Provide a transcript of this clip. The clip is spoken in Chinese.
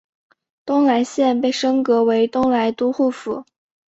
东莱县被升格为东莱都护府。